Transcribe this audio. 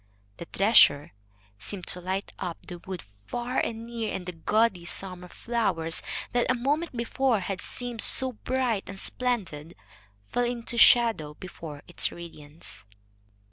The treasure seemed to light up the wood far and near, and the gaudy summer flowers, that a moment before had seemed so bright and splendid, fell into shadow before its radiance.